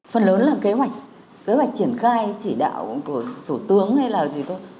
phần lớn là kế hoạch kế hoạch triển khai chỉ đạo của thủ tướng hay là gì thôi